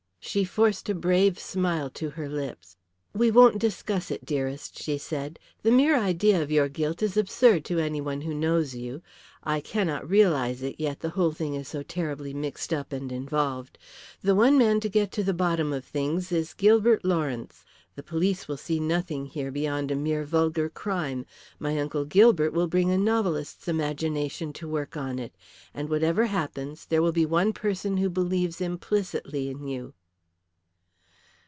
She forced a brave smile to her lips. "We won't discuss it, dearest," she said. "The mere idea of your guilt is absurd to any one who knows you. I cannot realize it yet, the whole thing is so terribly mixed up and involved. The one man to get to the bottom of things is Gilbert Lawrence. The police will see nothing here beyond a mere vulgar crime. My uncle Gilbert will bring a novelist's imagination to work on it, And, whatever happens, there will be one person who believes implicitly in you."